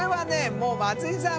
もう松井さん